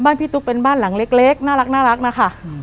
บ้านพี่ตุ๊กเป็นบ้านหลังเล็กเล็กน่ารักน่ารักนะคะอืม